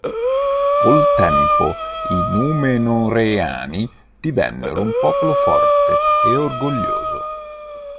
Col tempo, i Númenóreani divennero un popolo forte e orgoglioso.